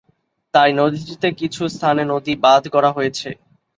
তাই নদীটিতে কিছু স্থানে নদী বাঁধ গড়া হয়েছে।